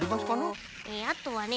あとはね